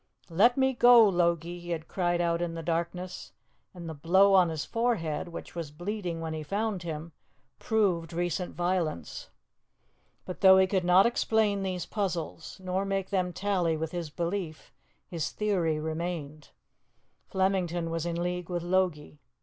"Let me go, Logie!" he had cried out in the darkness, and the blow on his forehead, which was bleeding when he found him, proved recent violence. But though he could not explain these puzzles, nor make them tally with his belief, his theory remained. Flemington was in league with Logie.